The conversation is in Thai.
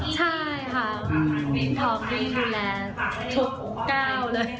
ใช่ค่ะพี่ตุ๋มดูแลทุกก้าวเลย